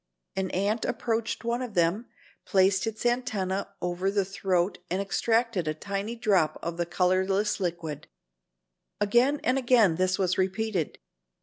An ant approached one of them, placed its antennae over the throat and extracted a tiny drop of the colorless liquid. Again and again this was repeated.